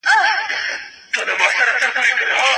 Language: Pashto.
پښتو ژبه د هويت نښه ده.